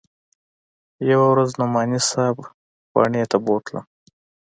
يوه ورځ نعماني صاحب واڼې ته بوتلم.